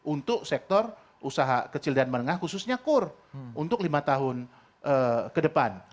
untuk sektor usaha kecil dan menengah khususnya kur untuk lima tahun ke depan